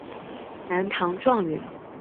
南唐状元。